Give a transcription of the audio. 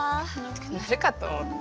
鳴るかと思った。